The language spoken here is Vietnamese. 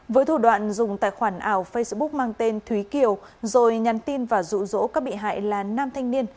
với thủ đoạn dùng tài khoản ảo facebook mang tên thúy kiều rồi nhắn tin và rụ rỗ các bị hại là nam thanh niên